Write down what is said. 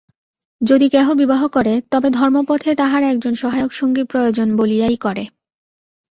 যদি কেহ বিবাহ করে, তবে ধর্মপথে তাহার একজন সহায়ক সঙ্গীর প্রয়োজন বলিয়াই করে।